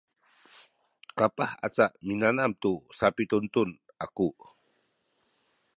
kapah aca minanam tu sapidundun aku